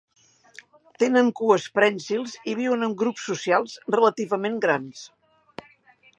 Tenen cues prènsils i viuen en grups socials relativament grans.